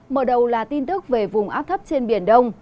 mở đầu là tin tức về vùng áp thấp trên biển đông